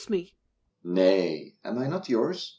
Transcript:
Nay! Am I not yours?